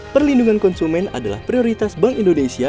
perlindungan konsumen adalah prioritas bank indonesia